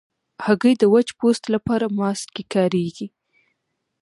هګۍ د وچ پوست لپاره ماسک کې کارېږي.